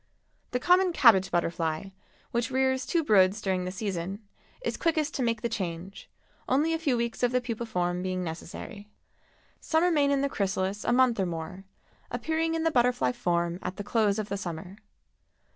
The common Cabbage Butterfly, which rears two broods during the season, is quickest to make the change, only a few weeks of the pupa form being necessary. Some remain in the chrysalis a month or more, appearing in the butterfly form at the close of the summer.